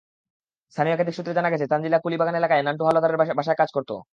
স্থানীয় একাধিক সূত্রে জানা গেছে, তানজিলা কুলিবাগান এলাকায় নান্টু হাওলাদারের বাসায় কাজ করত।